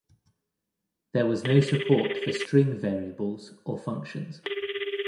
There was no support for string variables or functions.